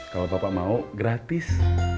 kalau bapak mau gratis